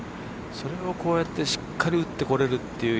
それをこうやってしっかり打ってこれるっていう